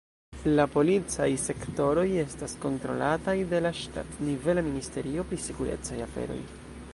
La policaj sektoroj estas kontrolataj de la ŝtatnivela ministerio pri sekurecaj aferoj.